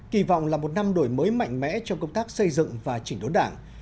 kỳ vọng là một năm đổi mới mạnh mẽ trong công tác xây dựng và chỉnh đốn đảng